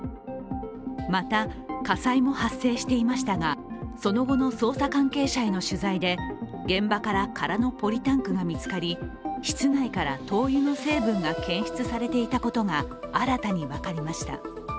また、火災も発生していましたが、その後の捜査関係者への取材で現場から空のポリタンクが見つかり、室内から灯油の成分が検出されていたことが新たに分かりました。